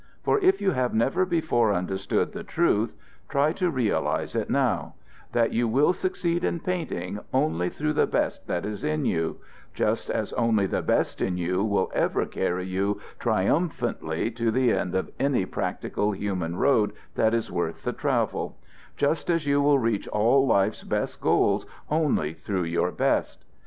For if you have never before understood the truth, try to realize it now: that you will succeed in painting only through the best that is in you; just as only the best in you will ever carry you triumphantly to the end of any practical human road that is worth the travel; just as you will reach all life's best goals only through your best.